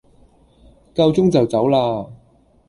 夠鐘就走啦!